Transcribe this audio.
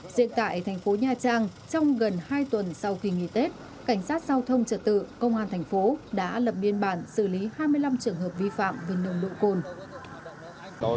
diện tại thành phố nha trang trong gần hai tuần sau kỳ nghỉ tết cảnh sát giao thông trật tự công an thành phố đã lập biên bản xử lý hai mươi năm trường hợp vi phạm về nồng độ cồn